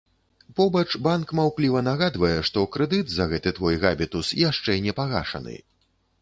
Побач банк маўкліва нагадвае, што крэдыт за гэты твой габітус яшчэ не пагашаны.